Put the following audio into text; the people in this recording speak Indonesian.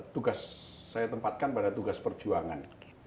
tugas saya tempatkan pada tugas perjuangan